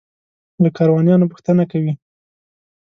له کاروانیانو پوښتنه کوي.